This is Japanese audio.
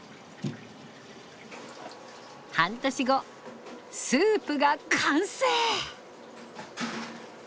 半年後スープが完成。